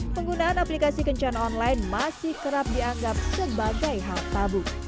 penggunaan aplikasi kencan online masih kerap dianggap sebagai hal tabu